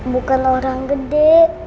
bukan orang gede